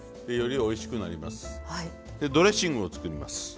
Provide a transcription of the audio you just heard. よりおいしくなります。